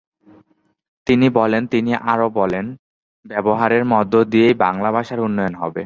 তিনি বলেন, তিনি আরও বলেন, ব্যবহারের মধ্যে দিয়েই বাংলা ভাষার উন্নয়ন হবে।